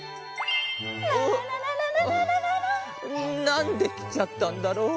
なんできちゃったんだろう。